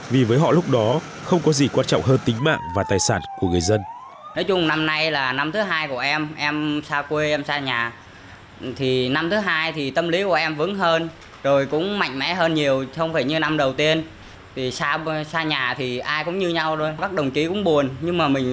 vì với họ lúc đó không có gì quan trọng hơn tính mạng và tài sản của người dân